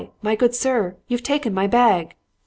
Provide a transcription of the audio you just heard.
My good sir! You've taken my bag.'